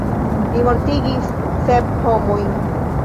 Li mortigis sep homojn.